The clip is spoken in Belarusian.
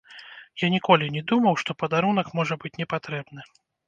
Я ніколі не думаў, што падарунак можа быць не патрэбны.